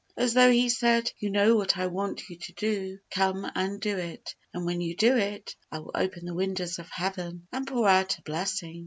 As though He said, "You know what I want you to do; come and do it; and, when you do it, I will open the windows of Heaven and pour out a blessing."